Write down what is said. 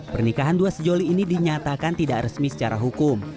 pernikahan dua sejoli ini dinyatakan tidak resmi secara hukum